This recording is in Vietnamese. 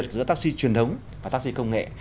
giữa taxi truyền thống và taxi công nghệ